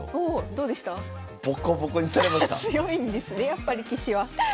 やっぱり棋士は。